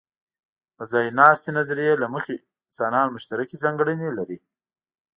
د ځایناستې نظریې له مخې، انسانان مشترکې ځانګړنې لري.